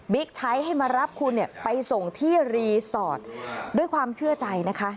ใช้ให้มารับคุณเนี่ยไปส่งที่รีสอร์ทด้วยความเชื่อใจนะคะ